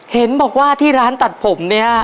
เห็นบอกว่าที่ร้านตัดผมเนี่ย